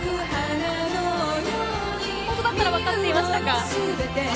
本当だったら分かっていましたか？